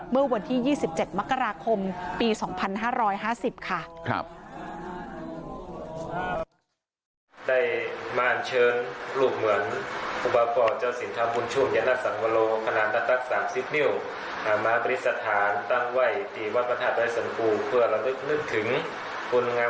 เมื่อวันที่๒๗มกราคมปี๒๕๕๐ค่ะ